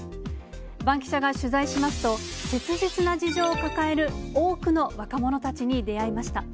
バンキシャが取材しますと、切実な事情を抱える多くの若者たちに出会いました。